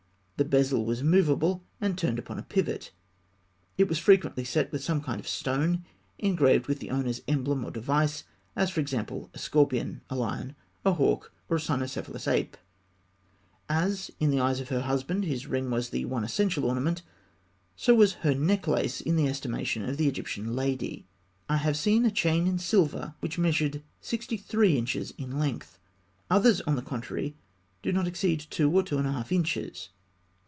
The bezel was movable, and turned upon a pivot. It was frequently set with some kind of stone engraved with the owner's emblem or device; as, for example, a scorpion (fig. 296), a lion, a hawk, or a cynocephalous ape. As in the eyes of her husband his ring was the one essential ornament, so was her necklace in the estimation of the Egyptian lady. I have seen a chain in silver which measured sixty three inches in length. Others, on the contrary, do not exceed two, or two and a half inches.